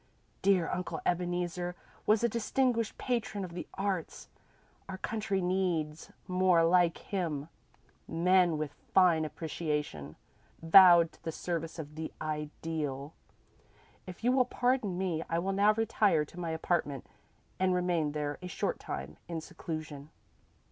Dear Uncle Ebeneezer was a distinguished patron of the arts. Our country needs more men like him, men with fine appreciation, vowed to the service of the Ideal. If you will pardon me, I will now retire to my apartment and remain there a short time in seclusion."